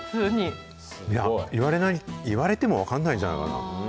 言われない、言われても分かんないんじゃないかな。